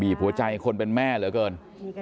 หัวใจคนเป็นแม่เหลือเกิน